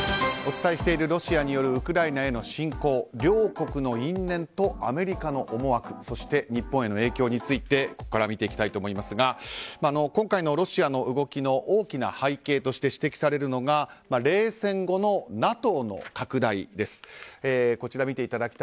お伝えしているロシアによるウクライナ侵攻両国の因縁とアメリカの思惑そして日本への影響についてここから見ていきたいと思いますが今回のロシアの動きの大きな背景として指摘されるのが冷戦後のＮＡＴＯの拡大です。